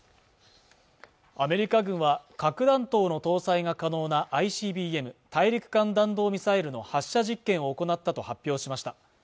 アメリカ軍は核弾頭の搭載が可能なＩＣＢＭ＝大陸間弾道ミサイルの発射実験を行ったと発表しました